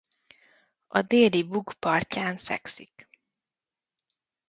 A Déli-Bug partján fekszik.